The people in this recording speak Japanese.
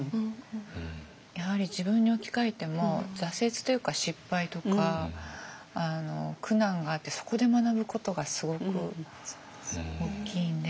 やはり自分に置き換えても挫折というか失敗とか苦難があってそこで学ぶことがすごく大きいんで。